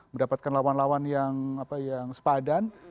mendapatkan lawan lawan yang sepadan